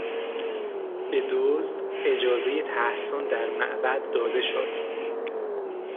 به دزد اجازهی تحصن در معبد داده شد.